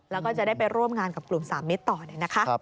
แล้วก็จะได้ไปร่วมงานกับกลุ่มสามมิตรต่อเนี่ยนะคะ